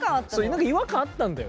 何か違和感あったんだよ。